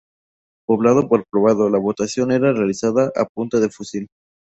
Poblado por poblado, la votación era realizada a punta de fusil.